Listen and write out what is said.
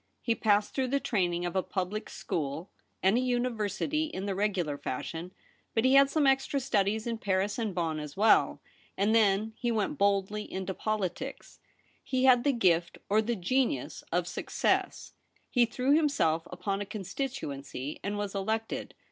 He passed through the training of a public school and a university in the regular fashion; but he had some extra studies in Paris and Bonn as well ; and then he went boldly into politics. He had the gift or the genius of success. He threw himself upon a constituency, and was elected.